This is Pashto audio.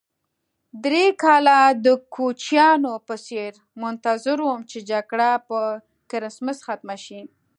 درې کاله د کوچنیانو په څېر منتظر وم چې جګړه په کرېسمس ختمه شي.